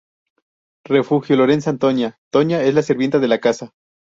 Refugio Lorenza Antonia "Toña" es la sirvienta de la casa.